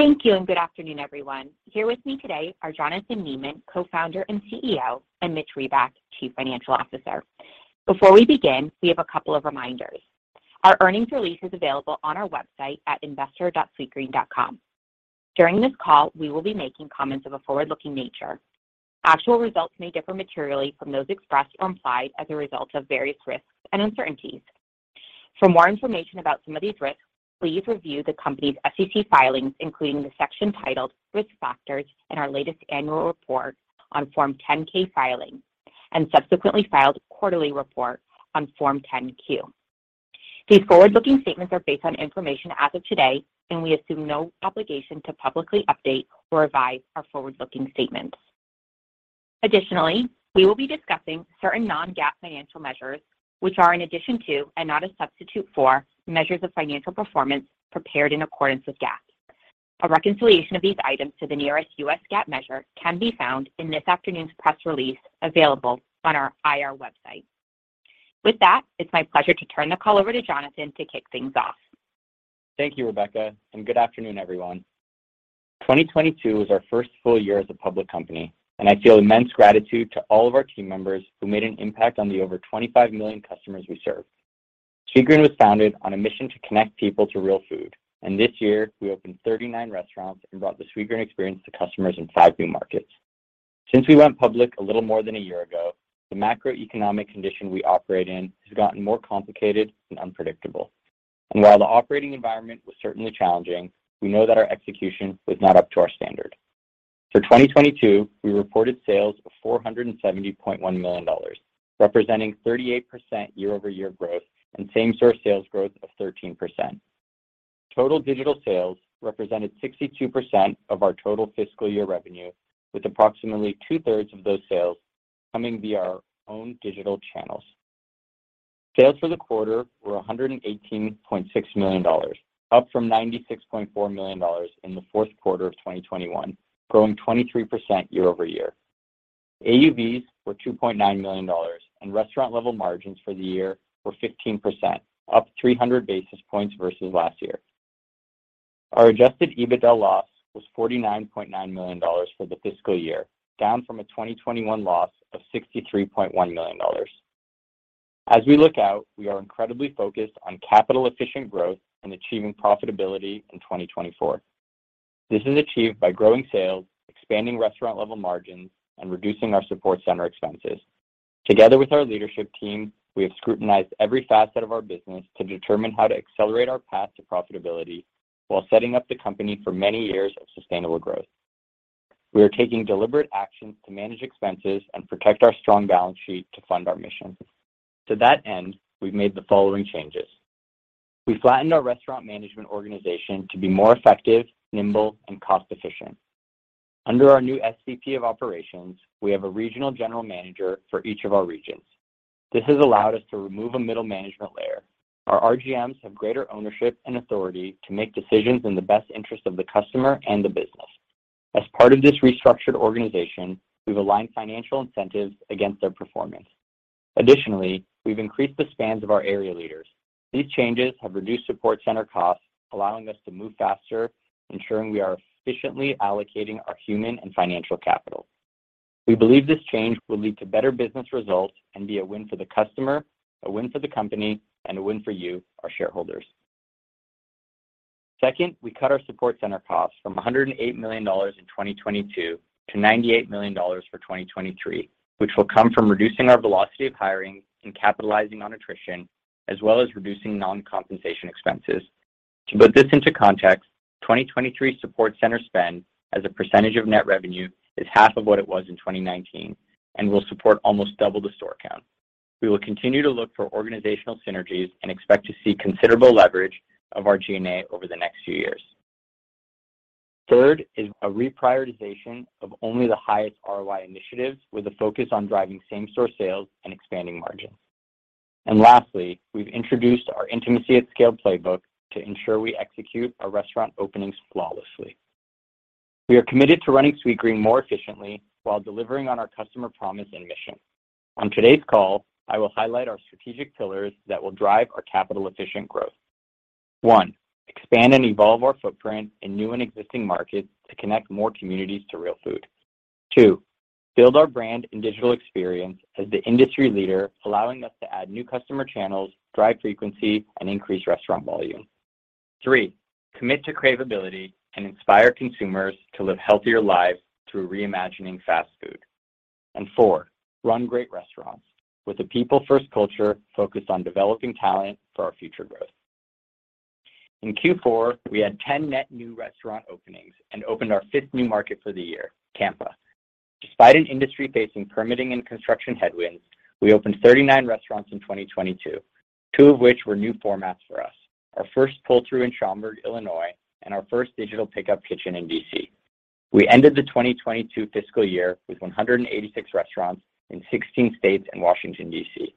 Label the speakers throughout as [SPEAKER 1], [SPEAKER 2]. [SPEAKER 1] Thank you, and good afternoon, everyone. Here with me today are Jonathan Neman, Co-Founder and CEO, and Mitch Reback, Chief Financial Officer. Before we begin, we have a couple of reminders. Our earnings release is available on our website at investor.sweetgreen.com. During this call, we will be making comments of a forward-looking nature. Actual results may differ materially from those expressed or implied as a result of various risks and uncertainties. For more information about some of these risks, please review the company's SEC filings, including the section titled "Risk Factors" in our latest annual report on Form 10-K filing and subsequently filed quarterly report on Form 10-Q. These forward-looking statements are based on information as of today, and we assume no obligation to publicly update or revise our forward-looking statements. Additionally, we will be discussing certain non-GAAP financial measures, which are in addition to and not a substitute for measures of financial performance prepared in accordance with GAAP. A reconciliation of these items to the nearest U.S. GAAP measure can be found in this afternoon's press release, available on our IR website. With that, it's my pleasure to turn the call over to Jonathan to kick things off.
[SPEAKER 2] Thank you, Rebecca. Good afternoon, everyone. 2022 was our first full year as a public company, and I feel immense gratitude to all of our team members who made an impact on the over 25 million customers we serve. Sweetgreen was founded on a mission to connect people to real food, and this year, we opened 39 restaurants and brought the Sweetgreen experience to customers in five new markets. Since we went public a little more than a year ago, the macroeconomic condition we operate in has gotten more complicated and unpredictable. While the operating environment was certainly challenging, we know that our execution was not up to our standard. For 2022, we reported sales of $470.1 million, representing 38% year-over-year growth and same-store sales growth of 13%. Total digital sales represented 62% of our total fiscal year revenue, with approximately 2/3 of those sales coming via our own digital channels. Sales for the quarter were $118.6 million, up from $96.4 million in the fourth quarter of 2021, growing 23% year-over-year. AUVs were $2.9 million, and restaurant-level profit margins for the year were 15%, up 300 basis points versus last year. Our Adjusted EBITDA loss was $49.9 million for the fiscal year, down from a 2021 loss of $63.1 million. As we look out, we are incredibly focused on capital-efficient growth and achieving profitability in 2024. This is achieved by growing sales, expanding restaurant-level profit margins, and reducing our support center expenses. Together with our leadership team, we have scrutinized every facet of our business to determine how to accelerate our path to profitability while setting up the company for many years of sustainable growth. We are taking deliberate actions to manage expenses and protect our strong balance sheet to fund our mission. To that end, we've made the following changes. We flattened our restaurant management organization to be more effective, nimble, and cost-efficient. Under our new SVP of Operations, we have a regional general manager for each of our regions. This has allowed us to remove a middle management layer. Our RGMs have greater ownership and authority to make decisions in the best interest of the customer and the business. As part of this restructured organization, we've aligned financial incentives against their performance. Additionally, we've increased the spans of our area leaders. These changes have reduced support center costs, allowing us to move faster, ensuring we are efficiently allocating our human and financial capital. We believe this change will lead to better business results and be a win for the customer, a win for the company, and a win for you, our shareholders. Second, we cut our support center costs from $108 million in 2022 to $98 million for 2023, which will come from reducing our velocity of hiring and capitalizing on attrition, as well as reducing non-compensation expenses. To put this into context, 2023 support center spend as a percentage of net revenue is half of what it was in 2019 and will support almost double the store count. We will continue to look for organizational synergies and expect to see considerable leverage of our G&A over the next few years. Third is a reprioritization of only the highest ROI initiatives with a focus on driving same-store sales and expanding margins. Lastly, we've introduced our Intimacy at Scale playbook to ensure we execute our restaurant openings flawlessly. We are committed to running Sweetgreen more efficiently while delivering on our customer promise and mission. On today's call, I will highlight our strategic pillars that will drive our capital-efficient growth. One, expand and evolve our footprint in new and existing markets to connect more communities to real food. Two, build our brand and digital experience as the industry leader, allowing us to add new customer channels, drive frequency, and increase restaurant volume. Three, commit to cravability and inspire consumers to live healthier lives through reimagining fast food. Four, run great restaurants with a people-first culture focused on developing talent for our future growth. In Q4, we had 10 net new restaurant openings and opened our fifth new market for the year, Tampa. Despite an industry facing permitting and construction headwinds, we opened 39 restaurants in 2022, two of which were new formats for us, our first pull-through in Schaumburg, Illinois, and our first digital pickup kitchen in D.C. We ended the 2022 fiscal year with 186 restaurants in 16 states and Washington, D.C.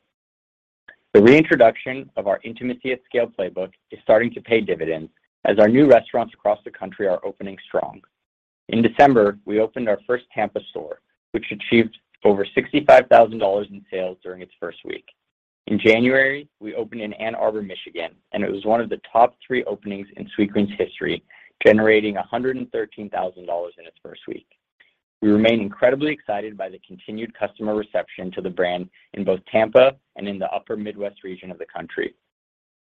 [SPEAKER 2] The reintroduction of our Intimacy at Scale playbook is starting to pay dividends as our new restaurants across the country are opening strong. In December, we opened our first Tampa store, which achieved over $65,000 in sales during its first week. In January, we opened in Ann Arbor, Michigan, and it was one of the top three openings in Sweetgreen's history, generating $113,000 in its first week. We remain incredibly excited by the continued customer reception to the brand in both Tampa and in the upper Midwest region of the country.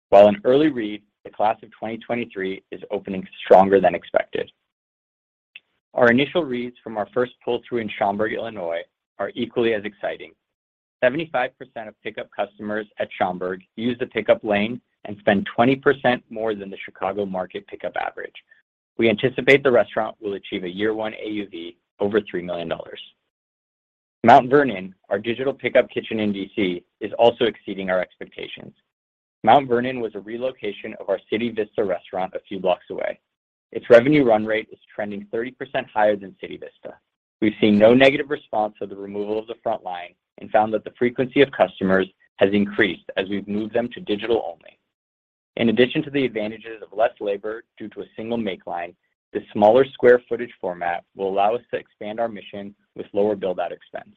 [SPEAKER 2] While an early read, the class of 2023 is opening stronger than expected. Our initial reads from our first pull-through in Schaumburg, Illinois, are equally as exciting. 75% of pickup customers at Schaumburg use the pickup lane and spend 20% more than the Chicago market pickup average. We anticipate the restaurant will achieve a year one AUV over $3 million. Mount Vernon, our digital pickup kitchen in D.C., is also exceeding our expectations. Mount Vernon was a relocation of our CityVista restaurant a few blocks away. Its revenue run rate is trending 30% higher than CityVista. We've seen no negative response to the removal of the front line and found that the frequency of customers has increased as we've moved them to digital only. In addition to the advantages of less labor due to a single make line, this smaller square footage format will allow us to expand our mission with lower build-out expense.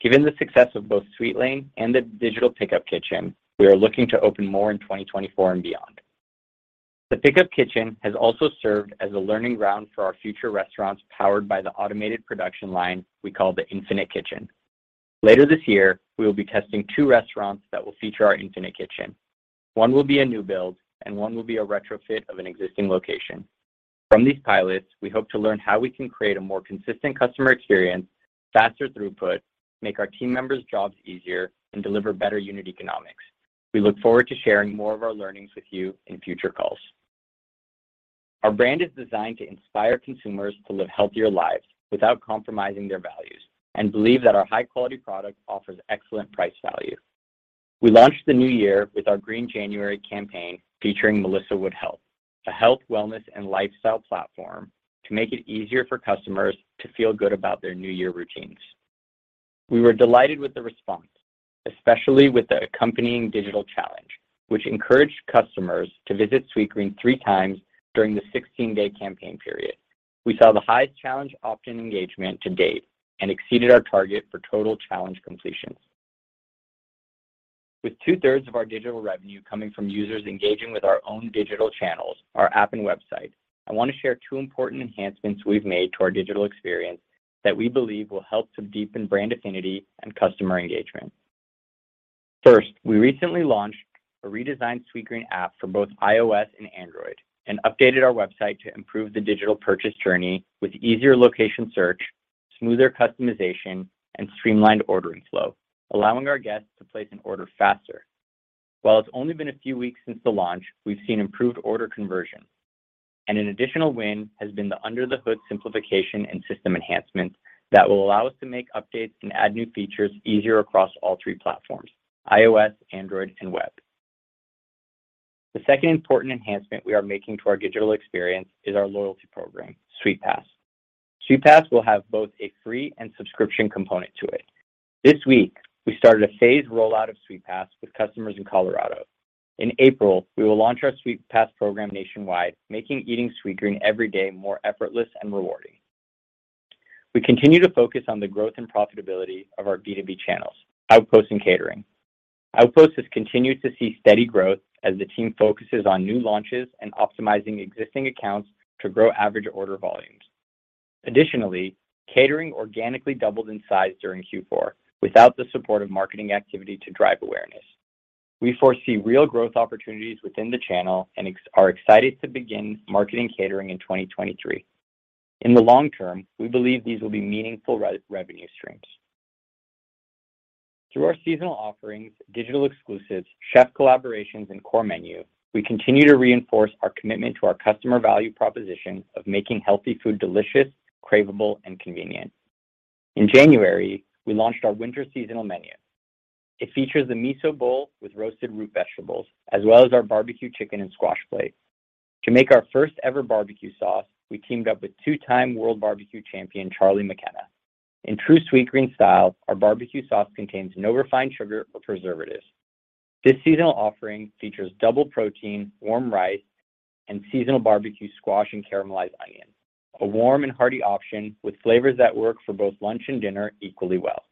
[SPEAKER 2] Given the success of both Sweetlane and the Digital Pickup Kitchen, we are looking to open more in 2024 and beyond. The pickup kitchen has also served as a learning ground for our future restaurants, powered by the automated production line we call the Infinite Kitchen. Later this year, we will be testing two restaurants that will feature our Infinite Kitchen. One will be a new build, and one will be a retrofit of an existing location. From these pilots, we hope to learn how we can create a more consistent customer experience, faster throughput, make our team members' jobs easier, and deliver better unit economics. We look forward to sharing more of our learnings with you in future calls. Our brand is designed to inspire consumers to live healthier lives without compromising their values and believe that our high-quality product offers excellent price value. We launched the new year with our Green January campaign featuring Melissa Wood Health, a health, wellness, and lifestyle platform to make it easier for customers to feel good about their new year routines. We were delighted with the response, especially with the accompanying digital challenge, which encouraged customers to visit Sweetgreen three times during the 16-day campaign period. We saw the highest challenge opt-in engagement to date and exceeded our target for total challenge completions. With two-thirds of our digital revenue coming from users engaging with our own digital channels, our app and website, I want to share two important enhancements we've made to our digital experience that we believe will help to deepen brand affinity and customer engagement. First, we recently launched a redesigned Sweetgreen app for both iOS and Android and updated our website to improve the digital purchase journey with easier location search, smoother customization, and streamlined ordering flow, allowing our guests to place an order faster. While it's only been a few weeks since the launch, we've seen improved order conversion, and an additional win has been the under-the-hood simplification and system enhancements that will allow us to make updates and add new features easier across all three platforms: iOS, Android, and web. The second important enhancement we are making to our digital experience is our loyalty program, Sweetpass. Sweetpass will have both a free and subscription component to it. This week, we started a phased rollout of Sweetpass with customers in Colorado. In April, we will launch our Sweetpass program nationwide, making eating Sweetgreen every day more effortless and rewarding. We continue to focus on the growth and profitability of our B2B channels, Outpost and Catering. Outpost has continued to see steady growth as the team focuses on new launches and optimizing existing accounts to grow average order volumes. Additionally, Catering organically doubled in size during Q4 without the support of marketing activity to drive awareness. We foresee real growth opportunities within the channel and are excited to begin marketing Catering in 2023. In the long term, we believe these will be meaningful re-revenue streams. Through our seasonal offerings, digital exclusives, chef collaborations, and core menu, we continue to reinforce our commitment to our customer value proposition of making healthy food delicious, craveable, and convenient. In January, we launched our winter seasonal menu. It features the Miso Bowl with roasted root vegetables, as well as our BBQ Chicken + Squash Plate. To make our first ever barbecue sauce, we teamed up with two-time world barbecue champion Charlie McKenna. In true Sweetgreen style, our barbecue sauce contains no refined sugar or preservatives. This seasonal offering features double protein, warm rice, and seasonal barbecue squash and caramelized onion, a warm and hearty option with flavors that work for both lunch and dinner equally well.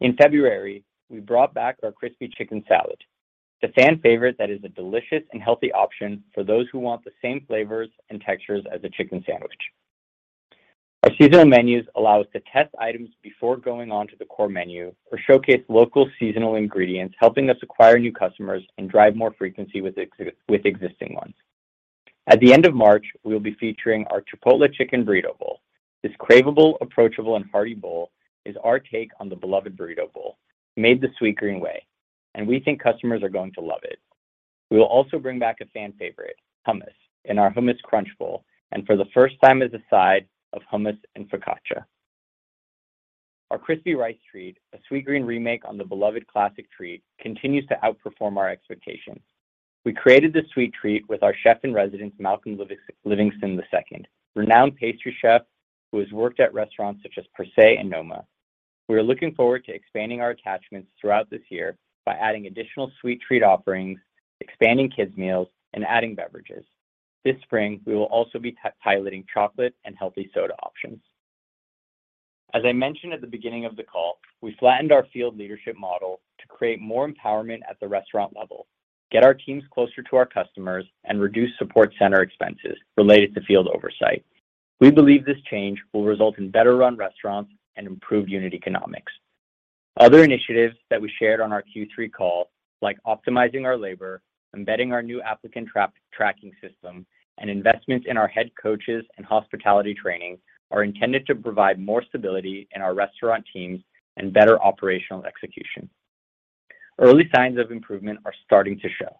[SPEAKER 2] In February, we brought back our Crispy Chicken Salad, the fan favorite that is a delicious and healthy option for those who want the same flavors and textures as a chicken sandwich. Our seasonal menus allow us to test items before going on to the core menu or showcase local seasonal ingredients, helping us acquire new customers and drive more frequency with existing ones. At the end of March, we will be featuring our Chipotle Chicken Burrito Bowl. This craveable, approachable, and hearty bowl is our take on the beloved burrito bowl, made the Sweetgreen way, and we think customers are going to love it. We will also bring back a fan favorite, hummus, in our Hummus Crunch bowl, and for the first time as a side of hummus and focaccia. Our Crispy Rice Treat, a Sweetgreen remake on the beloved classic treat, continues to outperform our expectations. We created this sweet treat with our Chef-in-Residence, Malcolm Livingston II, renowned pastry chef who has worked at restaurants such as Per Se and noma. We are looking forward to expanding our attachments throughout this year by adding additional sweet treat offerings, expanding kids' meals, and adding beverages. This spring, we will also be piloting chocolate and healthy soda options. As I mentioned at the beginning of the call, we flattened our field leadership model to create more empowerment at the restaurant level, get our teams closer to our customers, and reduce support center expenses related to field oversight. We believe this change will result in better run restaurants and improved unit economics. Other initiatives that we shared on our Q3 call, like optimizing our labor, embedding our new applicant tracking system, and investments in our head coaches and hospitality training, are intended to provide more stability in our restaurant teams and better operational execution. Early signs of improvement are starting to show.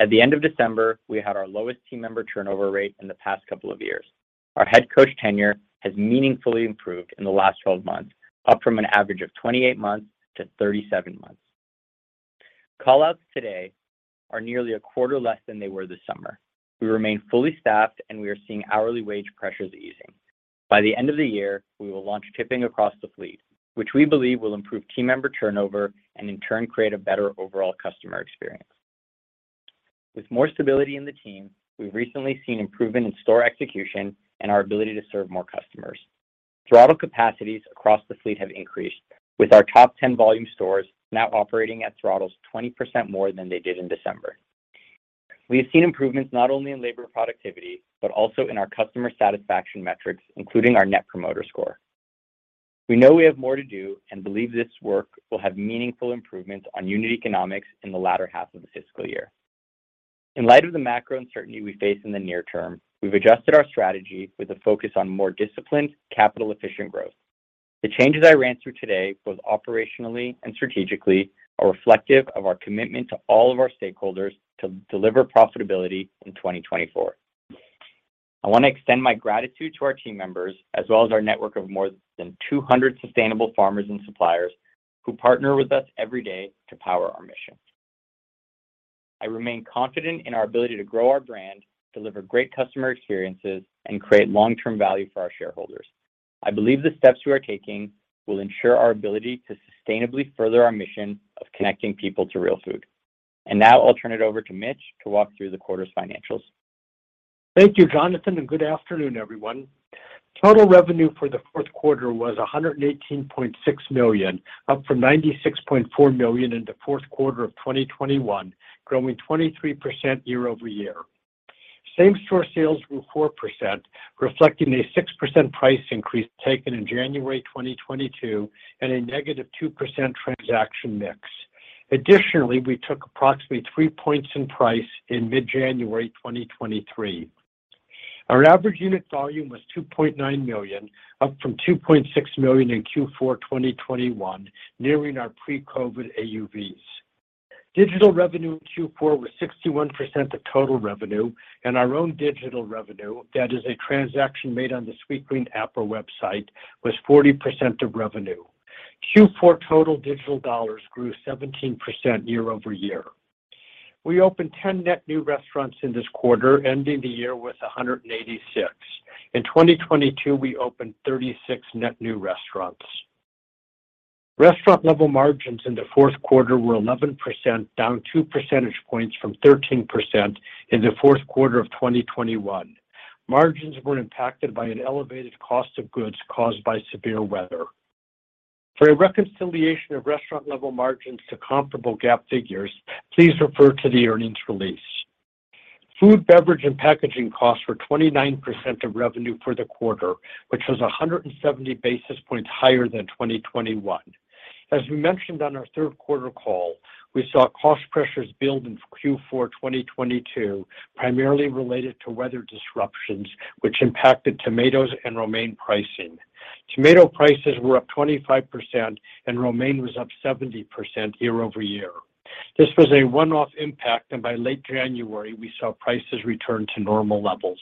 [SPEAKER 2] At the end of December, we had our lowest team member turnover rate in the past couple of years. Our head coach tenure has meaningfully improved in the last 12 months, up from an average of 28 months-37 months. Call-outs today are nearly a quarter less than they were this summer. We remain fully staffed. We are seeing hourly wage pressures easing. By the end of the year, we will launch tipping across the fleet, which we believe will improve team member turnover and in turn, create a better overall customer experience. With more stability in the team, we've recently seen improvement in store execution and our ability to serve more customers. Throttle capacities across the fleet have increased with our top 10 volume stores now operating at throttles 20% more than they did in December. We have seen improvements not only in labor productivity, but also in our customer satisfaction metrics, including our Net Promoter Score. We know we have more to do and believe this work will have meaningful improvements on unit economics in the latter half of the fiscal year. In light of the macro uncertainty we face in the near term, we've adjusted our strategy with a focus on more disciplined, capital efficient growth. The changes I ran through today, both operationally and strategically, are reflective of our commitment to all of our stakeholders to deliver profitability in 2024. I want to extend my gratitude to our team members as well as our network of more than 200 sustainable farmers and suppliers who partner with us every day to power our mission. I remain confident in our ability to grow our brand, deliver great customer experiences, and create long-term value for our shareholders. I believe the steps we are taking will ensure our ability to sustainably further our mission of connecting people to real food. Now I'll turn it over to Mitch to walk through the quarter's financials.
[SPEAKER 3] Thank you, Jonathan. Good afternoon, everyone. Total revenue for the fourth quarter was $118.6 million, up from $96.4 million in the fourth quarter of 2021, growing 23% year-over-year. Same-store sales grew 4%, reflecting a 6% price increase taken in January 2022 and a negative 2% transaction mix. Additionally, we took approximately 3 points in price in mid-January 2023. Our average unit volume was $2.9 million, up from $2.6 million in Q4 2021, nearing our pre-COVID AUVs. Digital revenue in Q4 was 61% of total revenue. Our own digital revenue, that is a transaction made on the Sweetgreen app or website, was 40% of revenue. Q4 total digital dollars grew 17% year-over-year. We opened 10 net new restaurants in this quarter, ending the year with 186. In 2022, we opened 36 net new restaurants. Restaurant-level profit margins in the fourth quarter were 11%, down 2 percentage points from 13% in the fourth quarter of 2021. Margins were impacted by an elevated cost of goods caused by severe weather. For a reconciliation of restaurant-level profit margins to comparable GAAP figures, please refer to the earnings release. Food, beverage, and packaging costs were 29% of revenue for the quarter, which was 170 basis points higher than 2021. As we mentioned on our third quarter call, we saw cost pressures build in Q4 2022, primarily related to weather disruptions, which impacted tomatoes and romaine pricing. Tomato prices were up 25%, and romaine was up 70% year-over-year. This was a one-off impact, and by late January, we saw prices return to normal levels.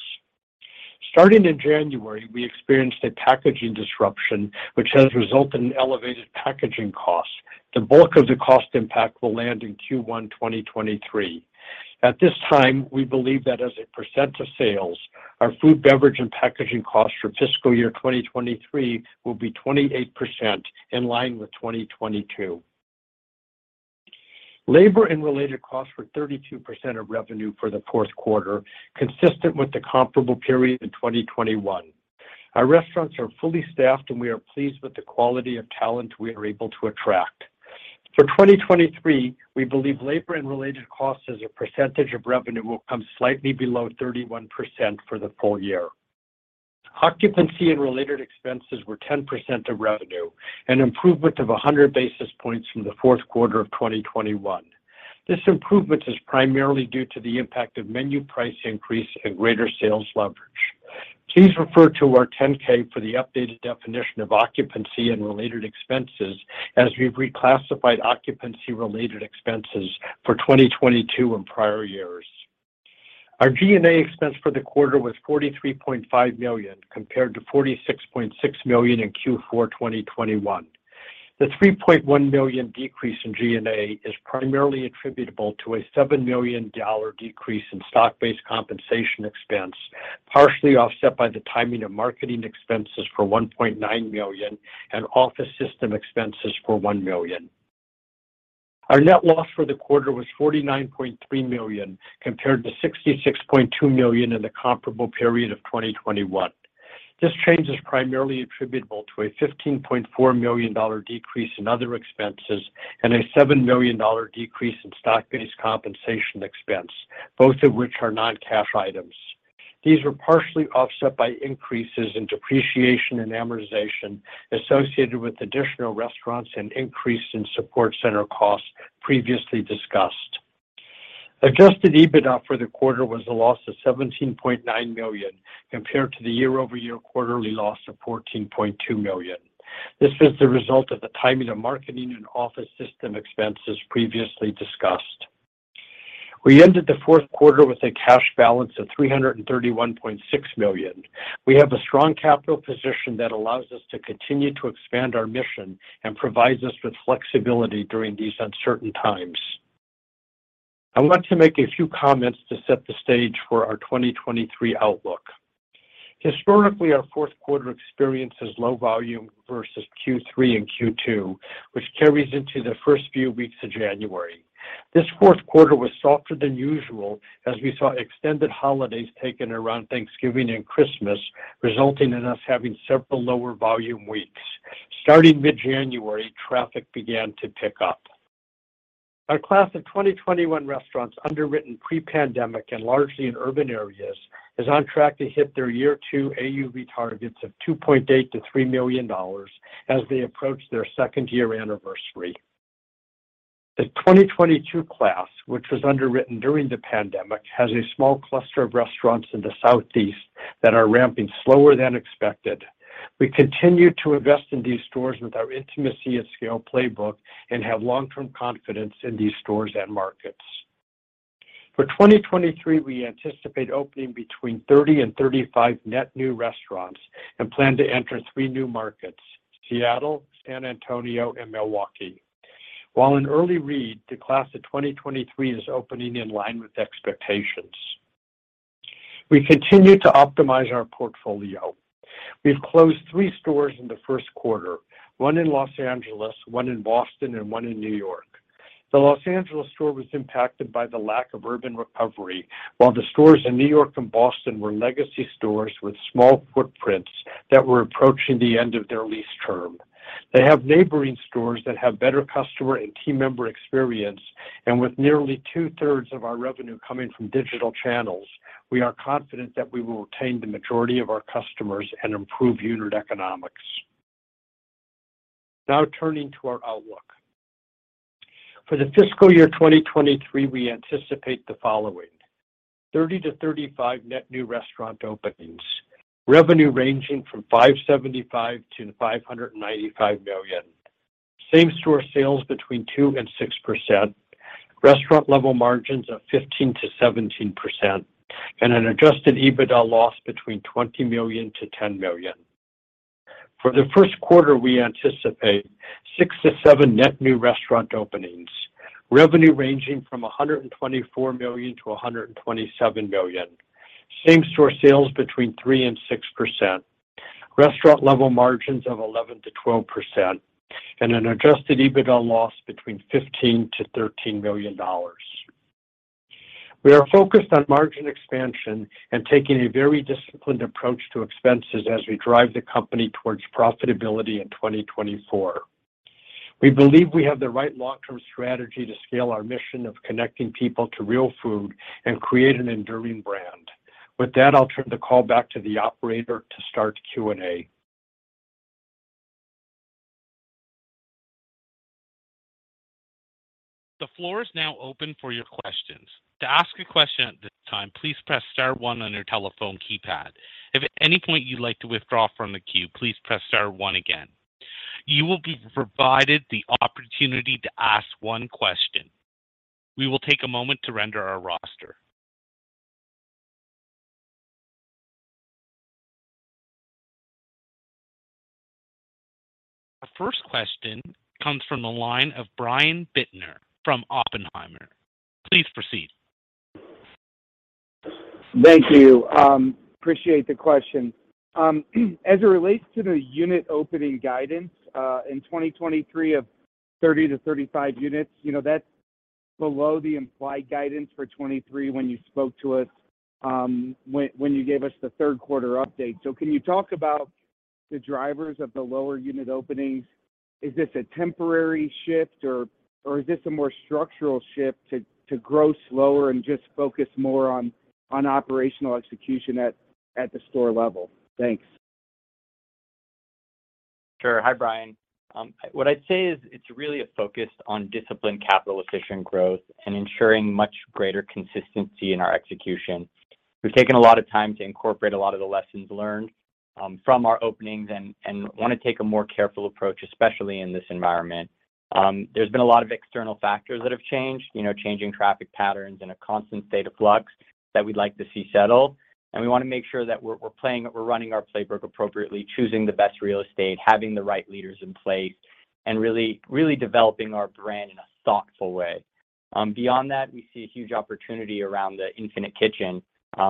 [SPEAKER 3] Starting in January, we experienced a packaging disruption, which has resulted in elevated packaging costs. The bulk of the cost impact will land in Q1 2023. At this time, we believe that as a percent of sales, our food, beverage, and packaging costs for fiscal year 2023 will be 28%, in line with 2022. Labor and related costs were 32% of revenue for the fourth quarter, consistent with the comparable period in 2021. Our restaurants are fully staffed, and we are pleased with the quality of talent we are able to attract. For 2023, we believe labor and related costs as a percentage of revenue will come slightly below 31% for the full year. Occupancy and related expenses were 10% of revenue, an improvement of 100 basis points from the fourth quarter of 2021. This improvement is primarily due to the impact of menu price increase and greater sales leverage. Please refer to our 10-K for the updated definition of occupancy and related expenses as we've reclassified occupancy-related expenses for 2022 and prior years. Our G&A expense for the quarter was $43.5 million, compared to $46.6 million in Q4 2021. The $3.1 million decrease in G&A is primarily attributable to a $7 million decrease in stock-based compensation expense partially offset by the timing of marketing expenses for $1.9 million and office system expenses for $1 million. Our net loss for the quarter was $49.3 million, compared to $66.2 million in the comparable period of 2021. This change is primarily attributable to a $15.4 million decrease in other expenses and a $7 million decrease in stock-based compensation expense, both of which are non-cash items. These were partially offset by increases in depreciation and amortization associated with additional restaurants and increase in support center costs previously discussed. Adjusted EBITDA for the quarter was a loss of $17.9 million, compared to the year-over-year quarterly loss of $14.2 million. This is the result of the timing of marketing and office system expenses previously discussed. We ended the fourth quarter with a cash balance of $331.6 million. We have a strong capital position that allows us to continue to expand our mission and provides us with flexibility during these uncertain times. I want to make a few comments to set the stage for our 2023 outlook. Historically, our fourth quarter experiences low volume versus Q3 and Q2, which carries into the first few weeks of January. This fourth quarter was softer than usual as we saw extended holidays taken around Thanksgiving and Christmas, resulting in us having several lower volume weeks. Starting mid-January, traffic began to pick up. Our class of 2021 restaurants underwritten pre-pandemic and largely in urban areas, is on track to hit their year two AUV targets of $2.8 million-$3 million as they approach their second-year anniversary. The 2022 class, which was underwritten during the pandemic, has a small cluster of restaurants in the Southeast that are ramping slower than expected. We continue to invest in these stores with our Intimacy at Scale playbook and have long-term confidence in these stores and markets. For 2023, we anticipate opening between 30 and 35 net new restaurants and plan to enter three new markets: Seattle, San Antonio, and Milwaukee. While in early read, the class of 2023 is opening in line with expectations. We continue to optimize our portfolio. We've closed three stores in the first quarter, one in L.A., one in Boston, and one in N.Y. The L.A. store was impacted by the lack of urban recovery, while the stores in N.Y. and Boston were legacy stores with small footprints that were approaching the end of their lease term. They have neighboring stores that have better customer and team member experience, and with nearly 2/3 of our revenue coming from digital channels, we are confident that we will retain the majority of our customers and improve unit economics. Now turning to our outlook. For the fiscal year 2023, we anticipate the following: 30-35 net new restaurant openings, revenue ranging from $575 million-$595 million, same-store sales between 2% and 6%, Restaurant-level margins of 15%-17%, and an Adjusted EBITDA loss between $20 million-$10 million. For the first quarter, we anticipate 6-7 net new restaurant openings, revenue ranging from $124 million-$127 million, same-store sales between 3% and 6%, Restaurant-level margins of 11%-12%, and an Adjusted EBITDA loss between $15 million-$13 million. We are focused on margin expansion and taking a very disciplined approach to expenses as we drive the company towards profitability in 2024. We believe we have the right long-term strategy to scale our mission of connecting people to real food and create an enduring brand. With that, I'll turn the call back to the operator to start Q&A.
[SPEAKER 4] The floor is now open for your questions. To ask a question at this time, please press star one on your telephone keypad. If at any point you'd like to withdraw from the queue, please press star one again. You will be provided the opportunity to ask one question. We will take a moment to render our roster. Our first question comes from the line of Brian Bittner from Oppenheimer. Please proceed.
[SPEAKER 5] Thank you. Appreciate the question. As it relates to the unit opening guidance, in 2023 of 30-35 units, you know, that's below the implied guidance for 2023 when you spoke to us, when you gave us the third quarter update. Can you talk about the drivers of the lower unit openings? Is this a temporary shift or is this a more structural shift to grow slower and just focus more on operational execution at the store level? Thanks.
[SPEAKER 2] Sure. Hi, Brian. What I'd say is it's really a focus on disciplined capital efficient growth and ensuring much greater consistency in our execution. We've taken a lot of time to incorporate a lot of the lessons learned from our openings and wanna take a more careful approach, especially in this environment. There's been a lot of external factors that have changed. You know, changing traffic patterns in a constant state of flux that we'd like to see settle. We wanna make sure that we're running our playbook appropriately, choosing the best real estate, having the right leaders in place, and really developing our brand in a thoughtful way. Beyond that, we see a huge opportunity around the Infinite Kitchen,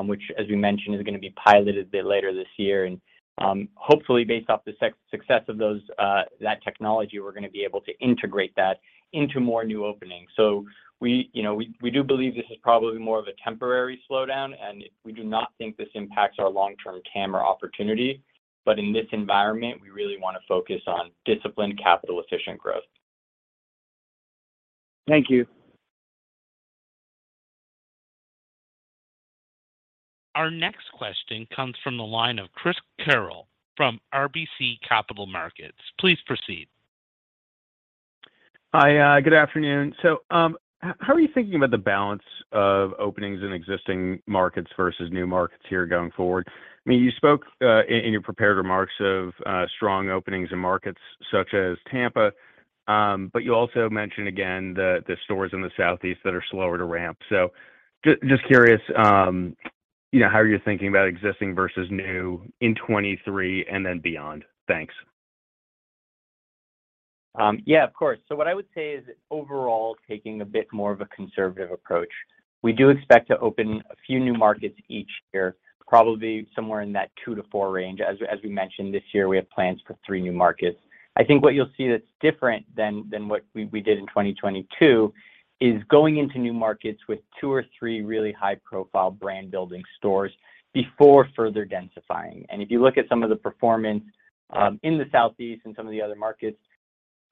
[SPEAKER 2] which as we mentioned, is gonna be piloted a bit later this year. Hopefully based off the success of those that technology, we're gonna be able to integrate that into more new openings. We, you know, we do believe this is probably more of a temporary slowdown, and we do not think this impacts our long-term TAM or opportunity. In this environment, we really wanna focus on disciplined capital efficient growth.
[SPEAKER 5] Thank you.
[SPEAKER 4] Our next question comes from the line of Chris Carril from RBC Capital Markets. Please proceed.
[SPEAKER 6] Hi, good afternoon. How are you thinking about the balance of openings in existing markets versus new markets here going forward? I mean, you spoke in your prepared remarks of strong openings in markets such as Tampa, but you also mentioned again the stores in the southeast that are slower to ramp. Just curious, you know, how you're thinking about existing versus new in 2023 and then beyond. Thanks.
[SPEAKER 2] Yeah, of course. What I would say is overall, taking a bit more of a conservative approach. We do expect to open a few new markets each year, probably somewhere in that 2-4 range. As we mentioned this year, we have plans for three new markets. I think what you'll see that's different than what we did in 2022 is going into new markets with two or three really high profile brand building stores before further densifying. If you look at some of the performance in the southeast and some of the other markets,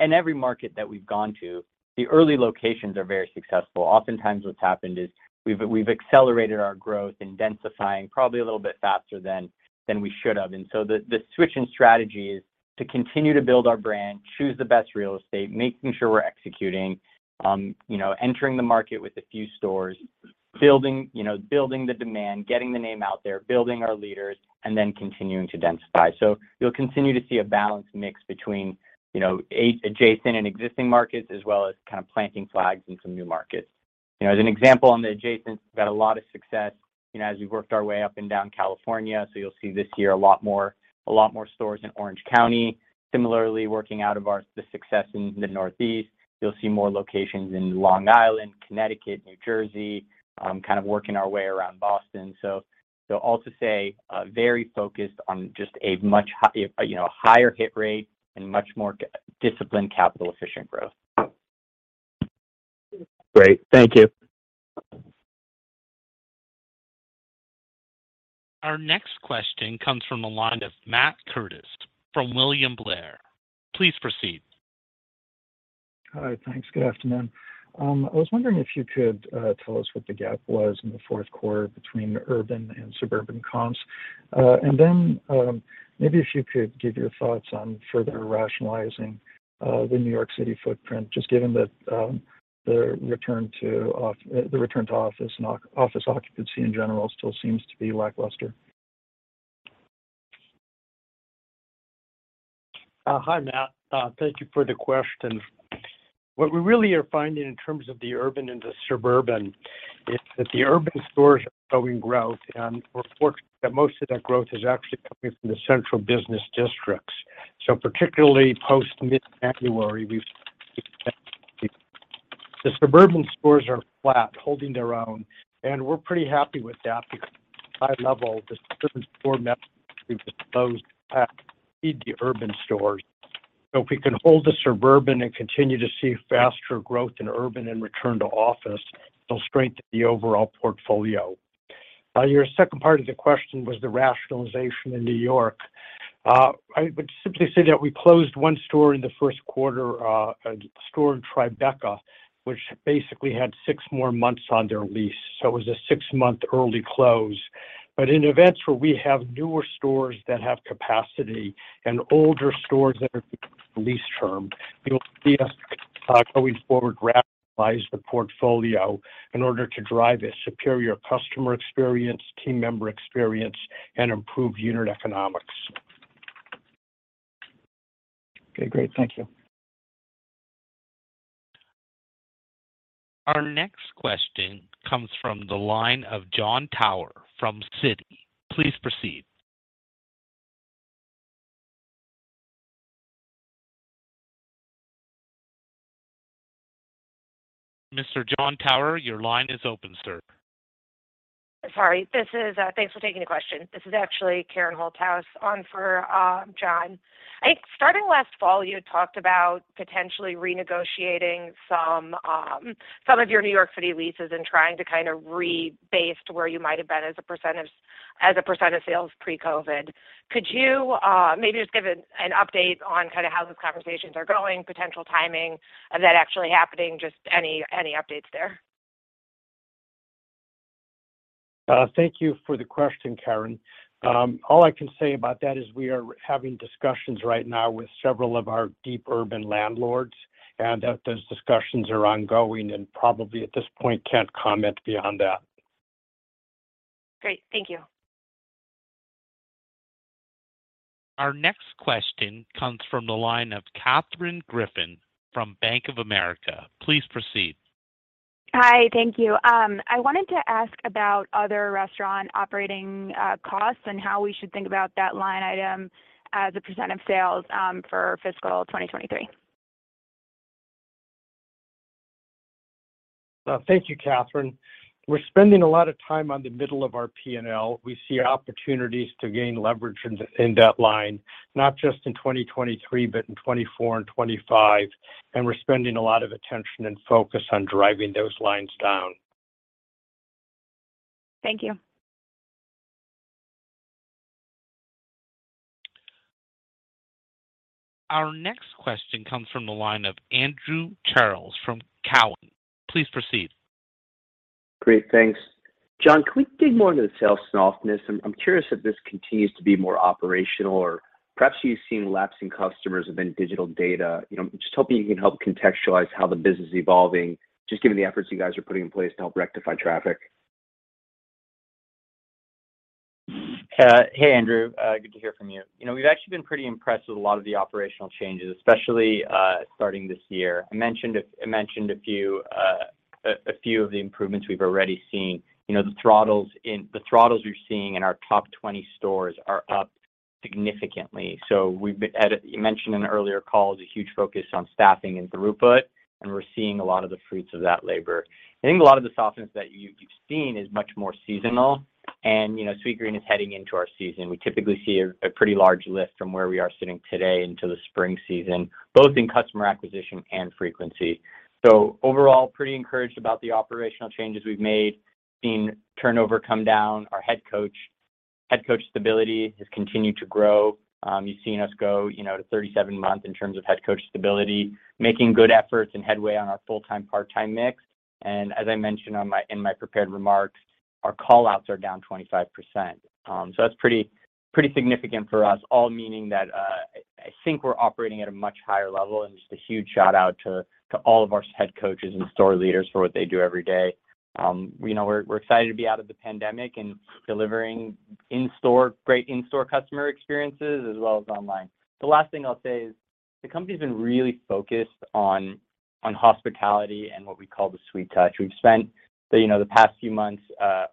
[SPEAKER 2] and every market that we've gone to, the early locations are very successful. Oftentimes what's happened is we've accelerated our growth in densifying probably a little bit faster than we should have. The switch in strategy is to continue to build our brand, choose the best real estate, making sure we're executing, you know, entering the market with a few stores, building, you know, building the demand, getting the name out there, building our leaders, and then continuing to densify. You'll continue to see a balanced mix between, you know, adjacent and existing markets as well as kind of planting flags in some new markets. You know, as an example on the adjacent, we've got a lot of success, you know, as we've worked our way up and down California. You'll see this year a lot more stores in Orange County. Similarly working out of the success in the Northeast. You'll see more locations in Long Island, Connecticut, New Jersey, kind of working our way around Boston. Also say, very focused on just, you know, a higher hit rate and much more disciplined capital efficient growth.
[SPEAKER 6] Great. Thank you.
[SPEAKER 4] Our next question comes from the line of Matt Curtis from William Blair. Please proceed.
[SPEAKER 7] Hi. Thanks. Good afternoon. I was wondering if you could tell us what the gap was in the fourth quarter between urban and suburban comps. Maybe if you could give your thoughts on further rationalizing the New York City footprint, just given that The return to office and office occupancy in general still seems to be lackluster.
[SPEAKER 3] Hi, Matt. Thank you for the question. What we really are finding in terms of the urban and the suburban is that the urban stores are showing growth, and we're fortunate that most of that growth is actually coming from the central business districts. Particularly post-mid-January, we've seen. The suburban stores are flat, holding their own, and we're pretty happy with that because high level the suburban store Feed the urban stores. If we can hold the suburban and continue to see faster growth in urban and return to office, it'll strengthen the overall portfolio. Your second part of the question was the rationalization in New York. I would simply say that we closed one store in the first quarter, a store in Tribeca, which basically had six more months on their lease, so it was a six-month early close. In events where we have newer stores that have capacity and older stores that are lease term, you'll see us going forward rationalize the portfolio in order to drive a superior customer experience, team member experience, and improve unit economics.
[SPEAKER 7] Okay, great. Thank you.
[SPEAKER 4] Our next question comes from the line of Jon Tower from Citi. Please proceed. Mr. Jon Tower, your line is open, sir.
[SPEAKER 8] Sorry, this is. Thanks for taking the question. This is actually Karen Holthouse on for Jon. I think starting last fall, you had talked about potentially renegotiating some of your New York City leases and trying to kind of rebase to where you might have been as a percentage of...as a percent of sales pre-COVID. Could you maybe just give an update on kind of how those conversations are going, potential timing of that actually happening, just any updates there?
[SPEAKER 3] Thank you for the question, Karen. All I can say about that is we are having discussions right now with several of our deep urban landlords and that those discussions are ongoing and probably at this point can't comment beyond that.
[SPEAKER 8] Great. Thank you.
[SPEAKER 4] Our next question comes from the line of Katherine Griffin from Bank of America. Please proceed.
[SPEAKER 9] Hi. Thank you. I wanted to ask about other restaurant operating costs and how we should think about that line item as a percent of sales for fiscal 2023.
[SPEAKER 3] Thank you, Katherine. We're spending a lot of time on the middle of our P&L. We see opportunities to gain leverage in that line, not just in 2023, but in 2024 and 2025. We're spending a lot of attention and focus on driving those lines down.
[SPEAKER 4] Thank you. Our next question comes from the line of Andrew Charles from Cowen. Please proceed.
[SPEAKER 10] Great. Thanks. Jon, can we dig more into the sales softness? I'm curious if this continues to be more operational or perhaps you've seen lapsing customers within digital data. You know, I'm just hoping you can help contextualize how the business is evolving, just given the efforts you guys are putting in place to help rectify traffic.
[SPEAKER 2] Hey, Andrew. Good to hear from you. You know, we've actually been pretty impressed with a lot of the operational changes, especially, starting this year. I mentioned a few of the improvements we've already seen. You know, the throttles we're seeing in our top 20 stores are up significantly. You mentioned in an earlier call is a huge focus on staffing and throughput, and we're seeing a lot of the fruits of that labor. I think a lot of the softness that you've seen is much more seasonal and, you know, Sweetgreen is heading into our season. We typically see a pretty large lift from where we are sitting today into the spring season, both in customer acquisition and frequency. Overall, pretty encouraged about the operational changes we've made. Seeing turnover come down. Our head coach stability has continued to grow. You've seen us go to 37 months in terms of head coach stability, making good efforts and headway on our full-time/part-time mix. As I mentioned in my prepared remarks, our call-outs are down 25%. That's pretty significant for us all, meaning that I think we're operating at a much higher level. Just a huge shout-out to all of our head coaches and store leaders for what they do every day. We're excited to be out of the pandemic and delivering great in-store customer experiences as well as online. The last thing I'll say is the company's been really focused on hospitality and what we call the Sweet Touch. We've spent the, you know, the past few months,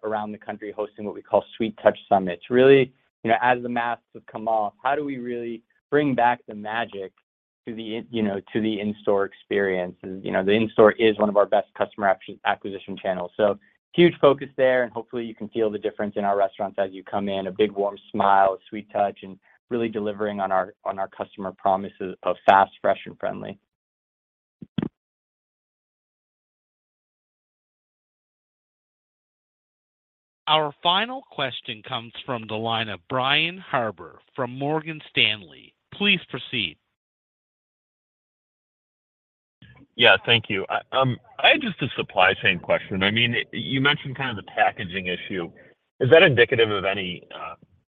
[SPEAKER 2] around the country hosting what we call Sweet Touch Summits, really, you know, as the masks have come off, how do we really bring back the magic to the in, you know, to the in-store experience? You know, the in-store is one of our best customer acquisition channels. Huge focus there, and hopefully you can feel the difference in our restaurants as you come in. A big warm smile, a sweet touch, and really delivering on our, on our customer promises of fast, fresh and friendly.
[SPEAKER 4] Our final question comes from the line of Brian Harbour from Morgan Stanley. Please proceed.
[SPEAKER 11] Yeah, thank you. I had just a supply chain question. I mean, you mentioned kind of the packaging issue. Is that indicative of any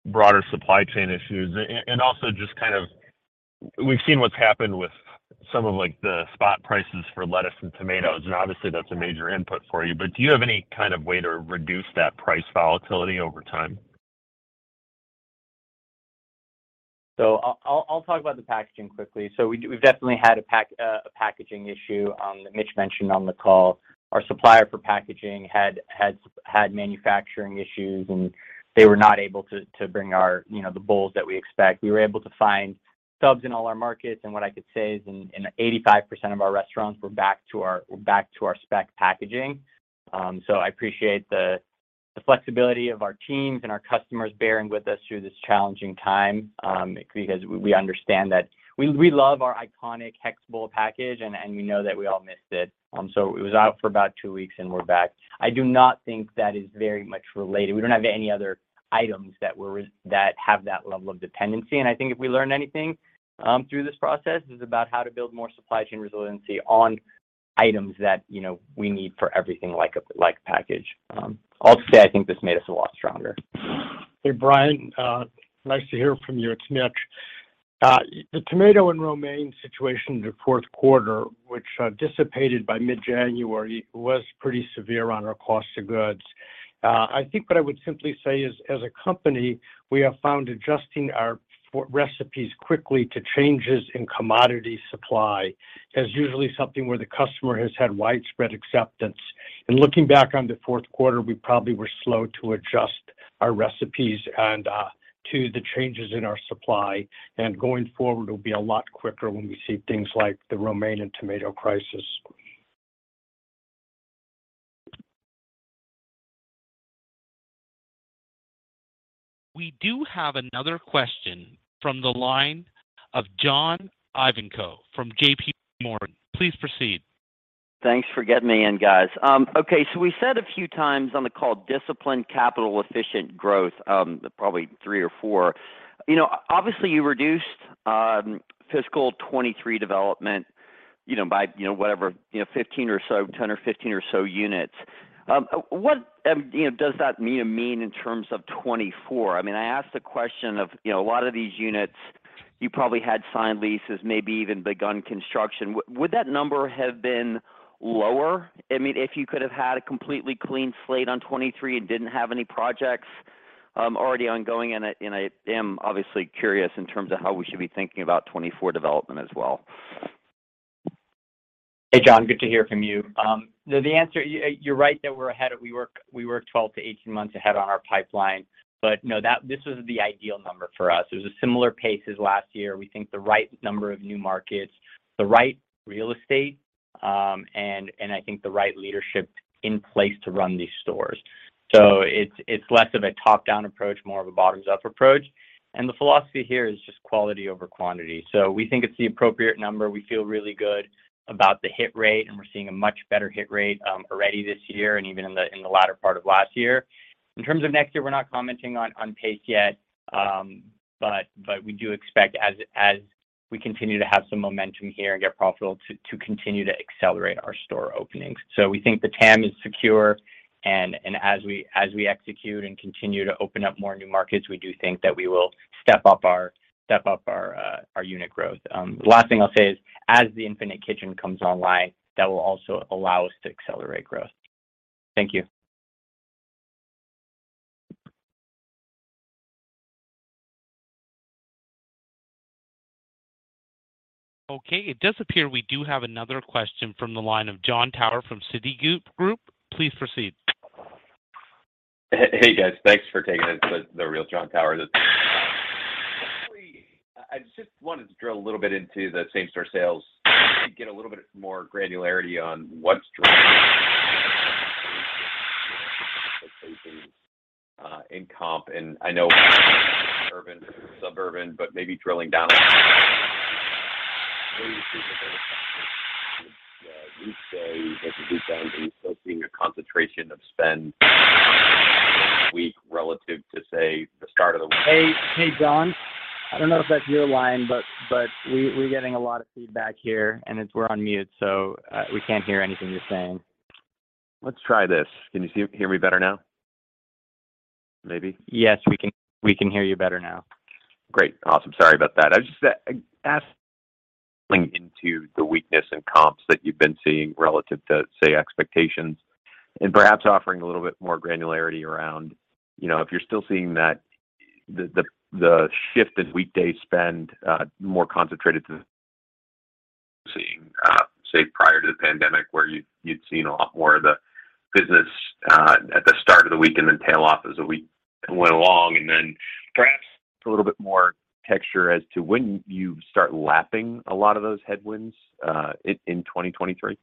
[SPEAKER 11] broader supply chain issues? Also just kind of we've seen what's happened with some of like the spot prices for lettuce and tomatoes, and obviously that's a major input for you, but do you have any kind of way to reduce that price volatility over time?
[SPEAKER 2] I'll talk about the packaging quickly. We've definitely had a packaging issue, that Mitch mentioned on the call. Our supplier for packaging had manufacturing issues, and they were not able to bring our, you know, the bowls that we expect. We were able to find subs in all our markets. What I could say is in 85% of our restaurants, we're back to our spec packaging. I appreciate the flexibility of our teams and our customers bearing with us through this challenging time, because we understand that we love our iconic Hex Bowl package and we know that we all missed it. It was out for about two weeks, and we're back. I do not think that is very much related. We don't have any other items that have that level of dependency. I think if we learned anything through this process is about how to build more supply chain resiliency on items that, you know, we need for everything like a package. All to say, I think this made us a lot stronger.
[SPEAKER 3] Hey, Brian. Nice to hear from you. It's Mitch. The tomato and romaine situation in the fourth quarter, which dissipated by mid-January, was pretty severe on our cost of goods. I think what I would simply say is, as a company, we have found adjusting our recipes quickly to changes in commodity supply as usually something where the customer has had widespread acceptance. Looking back on the fourth quarter, we probably were slow to adjust our recipes and to the changes in our supply. Going forward, it'll be a lot quicker when we see things like the romaine and tomato crisis.
[SPEAKER 4] We do have another question from the line of John Ivankoe from JPMorgan. Please proceed.
[SPEAKER 12] Thanks for getting me in, guys. Okay. We said a few times on the call disciplined capital efficient growth, probably three or four. You know, obviously you reduced fiscal 2023 development, you know, by, you know, whatever, you know, 15 or so, 10 or 15 or so units. What, you know, does that mean in terms of 2024? I mean, I ask the question of, you know, a lot of these units you probably had signed leases, maybe even begun construction. Would that number have been lower? I mean, if you could have had a completely clean slate on 2023 and didn't have any projects already ongoing. I am obviously curious in terms of how we should be thinking about 2024 development as well.
[SPEAKER 2] Hey, John, good to hear from you. The answer, you're right that we work 12-18 months ahead on our pipeline. No, this was the ideal number for us. It was a similar pace as last year. We think the right number of new markets, the right real estate, and I think the right leadership in place to run these stores. It's less of a top-down approach, more of a bottoms-up approach. The philosophy here is just quality over quantity. We think it's the appropriate number. We feel really good about the hit rate, and we're seeing a much better hit rate already this year and even in the latter part of last year. In terms of next year, we're not commenting on pace yet, but we do expect as we continue to have some momentum here and get profitable to continue to accelerate our store openings. We think the TAM is secure and as we execute and continue to open up more new markets, we do think that we will step up our unit growth. The last thing I'll say is, as the Infinite Kitchen comes online, that will also allow us to accelerate growth. Thank you.
[SPEAKER 4] Okay. It does appear we do have another question from the line of Jon Tower from Citigroup. Please proceed.
[SPEAKER 13] Hey, guys. Thanks for taking this. The real Jon Tower. I just wanted to drill a little bit into the same-store sales. Get a little bit more granularity on what's driving in comp. I know urban, suburban, maybe drilling down weekdays versus weekends. Are you still seeing a concentration of spend week relative to, say, the start of the week?
[SPEAKER 2] Hey, hey, Jon. I don't know if that's your line, but we're getting a lot of feedback here, and it's we're on mute, so we can't hear anything you're saying.
[SPEAKER 13] Let's try this. Can you hear me better now? Maybe.
[SPEAKER 2] Yes, we can hear you better now.
[SPEAKER 13] Great. Awesome. Sorry about that. I just asked into the weakness in comps that you've been seeing relative to, say, expectations, and perhaps offering a little bit more granularity around, you know, if you're still seeing that the shift in weekday spend more concentrated to seeing, say, prior to the pandemic, where you'd seen a lot more of the business at the start of the week and then tail off as the week went along. Perhaps a little bit more texture as to when you start lapping a lot of those headwinds in 2023.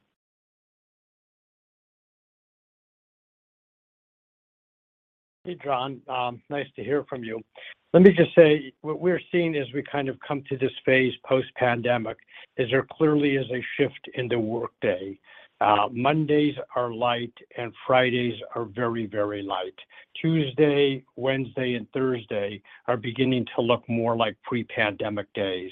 [SPEAKER 3] Hey, Jon. Nice to hear from you. Let me just say, what we're seeing as we kind of come to this phase post-pandemic is there clearly is a shift in the workday. Mondays are light and Fridays are very, very light. Tuesday, Wednesday and Thursday are beginning to look more like pre-pandemic days.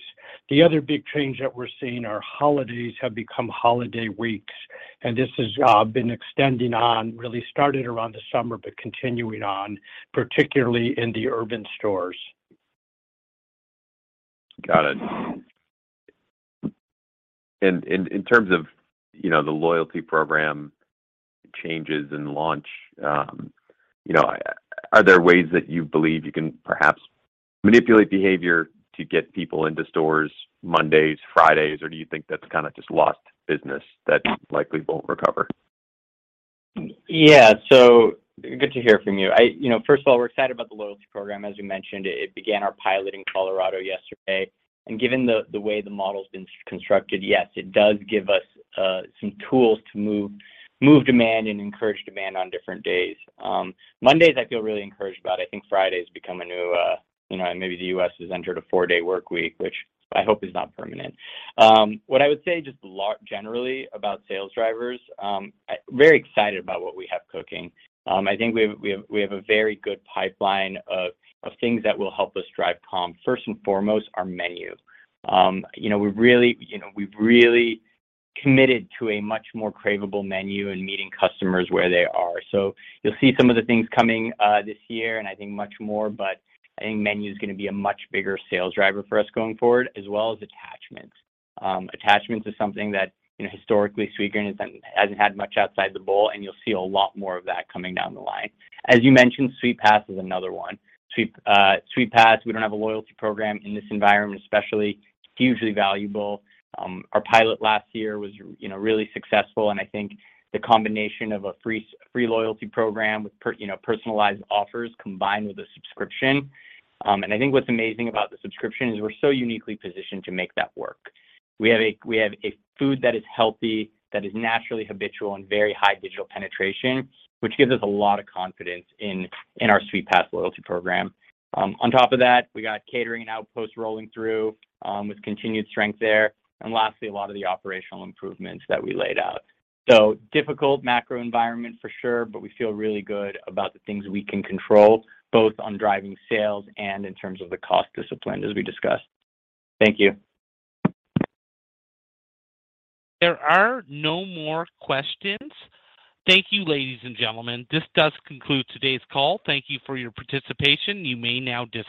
[SPEAKER 3] The other big change that we're seeing are holidays have become holiday weeks, and this has been extending on, really started around the summer, but continuing on, particularly in the urban stores.
[SPEAKER 13] Got it. In terms of, you know, the loyalty program changes and launch, you know, are there ways that you believe you can perhaps manipulate behavior to get people into stores Mondays, Fridays, or do you think that's kind of just lost business that likely won't recover?
[SPEAKER 2] Good to hear from you. You know, first of all, we're excited about the loyalty program. As we mentioned, it began our pilot in Colorado yesterday. Given the way the model's been constructed, yes, it does give us some tools to move demand and encourage demand on different days. Mondays, I feel really encouraged about. I think Friday's become a new, you know, maybe the U.S. has entered a four-day work week, which I hope is not permanent. What I would say just generally about sales drivers, very excited about what we have cooking. I think we have a very good pipeline of things that will help us drive comp. First and foremost, our menu. You know, we've really committed to a much more craveable menu and meeting customers where they are. You'll see some of the things coming this year and I think much more, but I think menu is gonna be a much bigger sales driver for us going forward, as well as attachments. Attachments is something that, you know, historically Sweetgreen hasn't had much outside the bowl, and you'll see a lot more of that coming down the line. As you mentioned, Sweetpass is another one. Sweetpass, we don't have a loyalty program in this environment, especially hugely valuable. Our pilot last year was, you know, really successful, and I think the combination of a free loyalty program with you know, personalized offers combined with a subscription. I think what's amazing about the subscription is we're so uniquely positioned to make that work. We have a food that is healthy, that is naturally habitual and very high digital penetration, which gives us a lot of confidence in our Sweetpass loyalty program. On top of that, we got catering and Outpost rolling through, with continued strength there. Lastly, a lot of the operational improvements that we laid out. Difficult macro environment for sure, but we feel really good about the things we can control, both on driving sales and in terms of the cost discipline as we discussed. Thank you.
[SPEAKER 4] There are no more questions. Thank you, ladies and gentlemen. This does conclude today's call. Thank you for your participation. You may now dis-